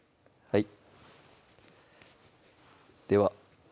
はい